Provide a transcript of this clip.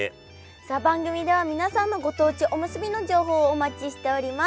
さあ番組では皆さんのご当地おむすびの情報をお待ちしております。